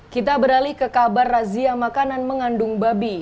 kita beralih ke kabar razia makanan mengandung babi